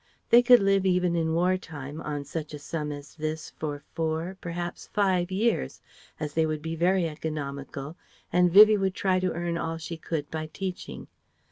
They could live even in war time, on such a sum as this for four, perhaps five years, as they would be very economical and Vivie would try to earn all she could by teaching.